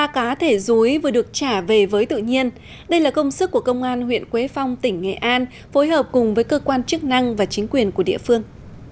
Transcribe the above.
ba cá thể rúi vừa được trả về với tự nhiên đây là công sức của công an huyện quế phong tỉnh nghệ an phối hợp cùng với cơ quan chức năng và chính quyền của địa phương